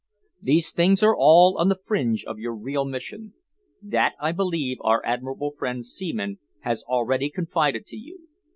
These things are all on the fringe of your real mission. That, I believe, our admirable friend Seaman has already confided to you.